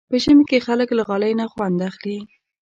په ژمي کې خلک له غالۍ نه خوند اخلي.